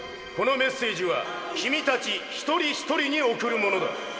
このメッセージは君たち一人一人に送るものだ。